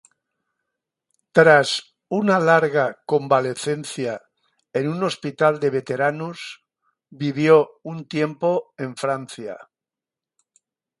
Tras una larga convalecencia en un hospital de veteranos, vivió un tiempo en Francia.